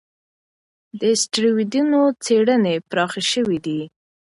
د اسټروېډونو څېړنې پراخې شوې دي.